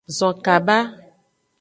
Zon kaba.